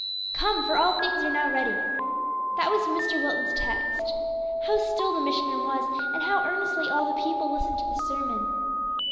"Come, for all things are now ready." That was Mr. Wilton's text. How still the mission room was, and how earnestly all the people listened to the sermon!